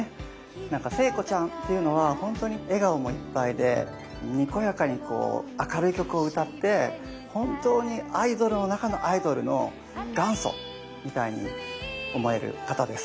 なんか聖子ちゃんっていうのは本当に笑顔もいっぱいでにこやかにこう明るい曲を歌って本当にアイドルの中のアイドルの元祖みたいに思える方です。